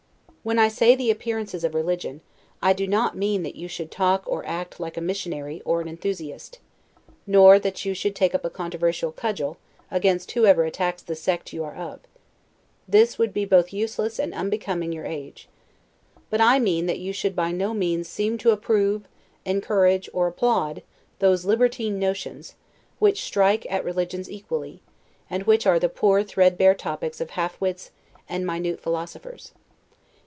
When I say the appearances of religion, I do not mean that you should talk or act like a missionary or an enthusiast, nor that you should take up a controversial cudgel against whoever attacks the sect you are of; this would be both useless and unbecoming your age; but I mean that you should by no means seem to approve, encourage, or applaud, those libertine notions, which strike at religions equally, and which are the poor threadbare topics of halfwits and minute philosophers.